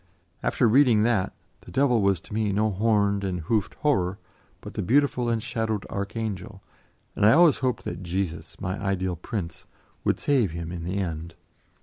After reading that, the devil was to me no horned and hoofed horror, but the beautiful shadowed archangel, and I always hoped that Jesus, my ideal Prince, would save him in the end.